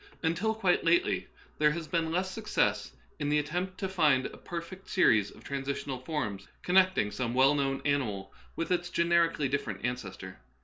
Until quite lately there has been less success in the attempt to find a perfect series of transitional forms connecting some well known animal with its generically different ancestor.